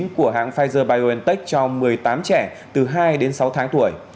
của hãng pfizer biontech cho một mươi tám trẻ từ hai đến sáu tháng tuổi